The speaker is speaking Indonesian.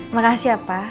makasih ya pak